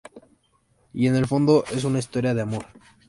Y en el fondo es una historia de amor.